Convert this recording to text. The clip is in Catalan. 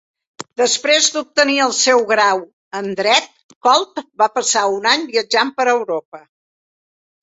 Després d'obtenir el seu grau en dret, Colt va passar un any viatjant per Europa.